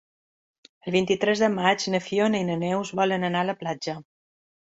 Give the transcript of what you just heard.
El vint-i-tres de maig na Fiona i na Neus volen anar a la platja.